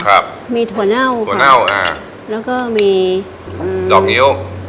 ครับมีถั่วเน่าค่ะถั่วเน่าอ่าแล้วก็มีอืมดอกเงี๊ยว